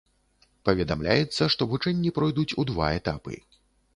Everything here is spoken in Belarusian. Паведамляецца, што вучэнні пройдуць у два этапы.